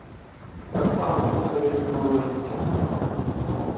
Таксама, проста, вельмі малое дзіцё.